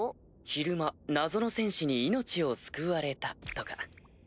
昼間謎の戦士に命を救われたとか。